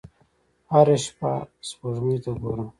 هره شپه سپوږمۍ ته ګورم